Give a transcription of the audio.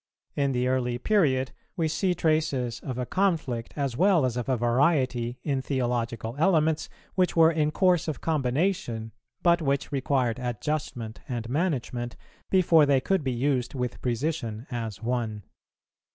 In the early period, we see traces of a conflict, as well as of a variety, in theological elements, which were in course of combination, but which required adjustment and management before they could be used with precision as one.